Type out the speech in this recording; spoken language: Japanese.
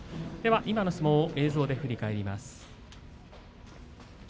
今の相撲を映像で振り返ります。